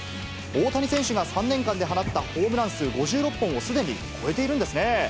大谷選手が３年間で放ったホームラン数５６本をすでに超えているんですね。